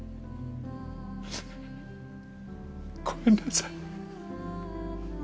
ごめんなさい。